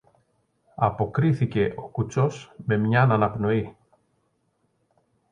αποκρίθηκε ο κουτσός με μιαν αναπνοή.